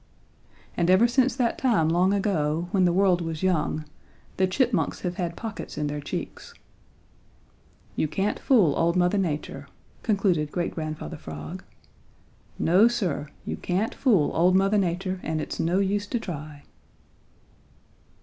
"And ever since that time long ago, when the world was young, the Chipmunks have had pockets in their cheeks. "You can't fool old Mother Nature," concluded Great Grandfather Frog. "No, Sir, you can't fool old Mother Nature and it's no use to try."